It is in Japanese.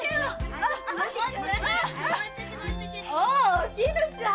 おきぬちゃん！